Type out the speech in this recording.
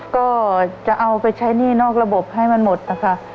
ก็จะเอาไปใช้หนี้นอกระบบให้มันหมดนะคะ